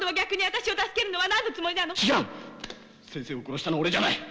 先生を殺したのは俺じゃない！